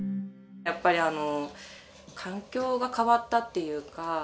やっぱりあの環境が変わったっていうか